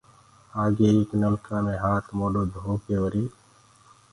آگي ايڪ نلڪآ مي هآت موڏو ڌوڪي وريٚ